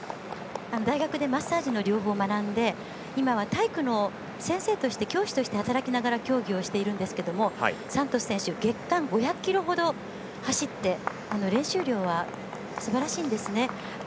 大学でマッサージの療法を学んで今は体育の先生として教師として働きながら競技をしているんですけどもサントス選手月間５００ｋｍほど走って練習量はすばらしいんですね。